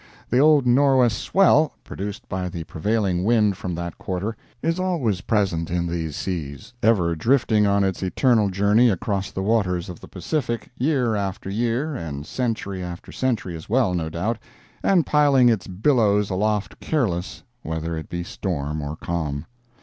The old nor'west swell, produced by the prevailing wind from that quarter, is always present in these seas, ever drifting on its eternal journey across the waters of the Pacific, year after year, and century after century as well, no doubt, and piling its billows aloft careless whether it be storm or calm.